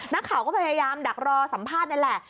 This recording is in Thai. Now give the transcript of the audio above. นักข่าวก็พยายามดักรอสัมภาษณ์นั่นแหละ